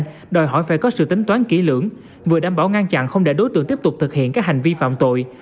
tuy nhiên đòi hỏi phải có sự tính toán kỹ lưỡng vừa đảm bảo ngăn chặn không để đối tượng tiếp tục thực hiện các hành vi phạm tội